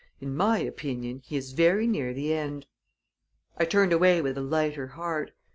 In my opinion, he is very near the end." I turned away with a lighter heart.